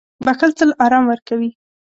• بښل تل آرام ورکوي.